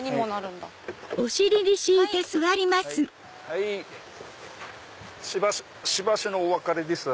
はいしばしのお別れです。